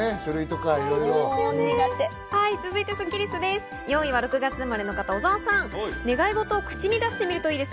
続いてスッキりす、４位は６月生まれの方、小澤さんです。